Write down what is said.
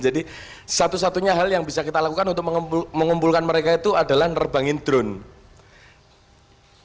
jadi satu satunya hal yang bisa kita lakukan untuk mengumpulkan mereka itu adalah nerbangin drone